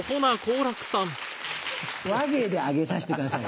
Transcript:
話芸で上げさせてください。